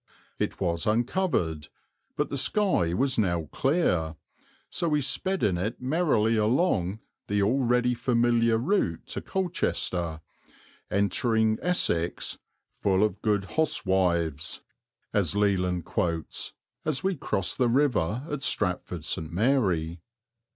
It was uncovered, but the sky was now clear, so we sped in it merrily along the already familiar route to Colchester, entering Essex, "ful of good hoswyves," as Leland quotes, as we crossed the river at Stratford St. Mary.